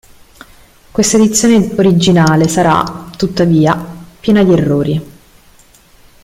Questa edizione originale sarà, tuttavia, piena di errori.